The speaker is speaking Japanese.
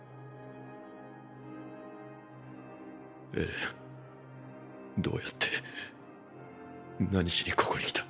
エレンどうやって何しにここに来た？